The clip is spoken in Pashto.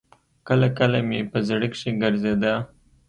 کله کله مې په زړه کښې ګرځېده.